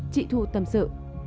chị thu tâm sự